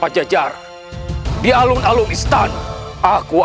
sandika gusti prabu